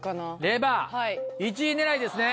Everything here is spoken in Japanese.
レバー１位狙いですね？